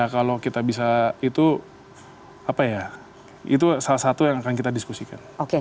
kalau kita bisa itu apa ya itu salah satu yang akan kita diskusikan